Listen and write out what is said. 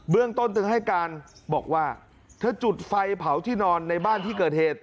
เรื่องต้นเธอให้การบอกว่าเธอจุดไฟเผาที่นอนในบ้านที่เกิดเหตุ